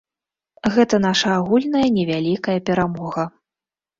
Гэта наша агульная невялікая перамога.